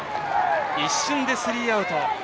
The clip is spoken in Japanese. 一瞬でスリーアウト。